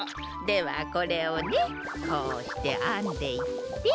ではこれをねこうしてあんでいって。